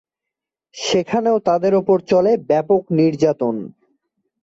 সেখানেও তাদের ওপর চলে ব্যাপক নির্যাতন।